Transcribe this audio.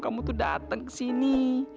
kamu tuh datang ke sini